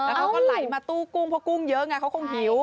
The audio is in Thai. และเขาก็ไหลมาตู้กุ้งเยอะนะคะเขาคงหิว